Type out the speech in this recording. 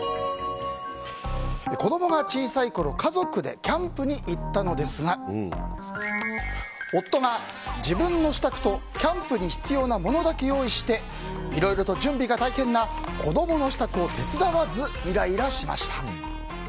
子供が小さいころ家族でキャンプに行ったのですが夫が自分の支度とキャンプに必要なものだけ用意していろいろと準備が大変な子供の支度を手伝わず、イライラしました。